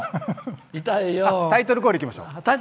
タイトルコールいきましょう。